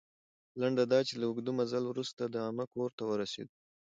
لنډه دا چې، له اوږده مزل وروسته د عمه کور ته ورسېدو.